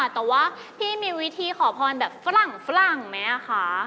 แต่ว่าพี่มีวิธีขอพรแบบฝรั่งฝรั่งไหมคะ